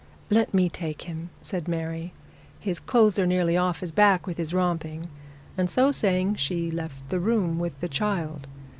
'Let me take him,' said Mary. 'His clothes are nearly off his back with his romping,' and so saying she left the room with the child.